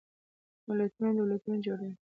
ملتونه دولتونه جوړوي.